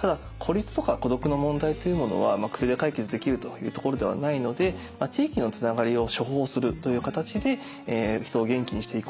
ただ孤立とか孤独の問題というものは薬で解決できるというところではないので地域のつながりを「処方」するという形で人を元気にしていこうと。